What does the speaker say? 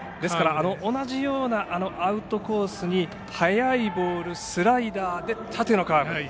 同じようなアウトコースに速いボール、スライダーそして縦のカーブ。